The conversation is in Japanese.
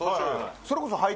それこそ。